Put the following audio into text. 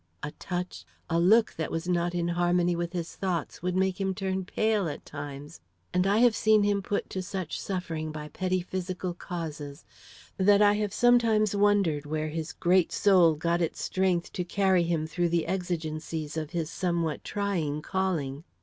A touch, a look that was not in harmony with his thoughts, would make him turn pale at times, and I have seen him put to such suffering by petty physical causes, that I have sometimes wondered where his great soul got its strength to carry him through the exigencies of his somewhat trying calling.